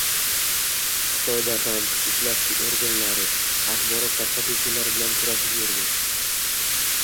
Xitoyda ham, kuch ishlatish oʻrganlari, axborot tarqatuvchilar bilan kurashib yurdi